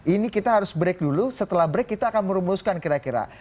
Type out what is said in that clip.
ini kita harus break dulu setelah break kita akan merumuskan kira kira